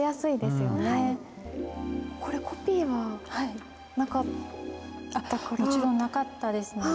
これコピーはなかったから。